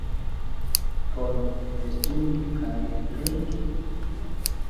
Por festumi kaj drinki?